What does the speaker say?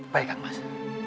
baik kan mas